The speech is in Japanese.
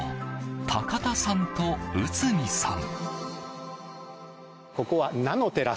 高田さんと内海さん。